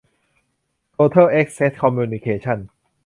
โทเทิ่ล แอ็คเซ็ส คอมมูนิเคชั่น